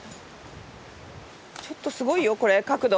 ちょっとすごいよこれ角度。